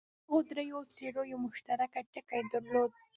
دغو دریو څېرو یو مشترک ټکی درلود.